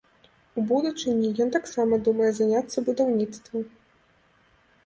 У будучыні ён таксама думае заняцца будаўніцтвам.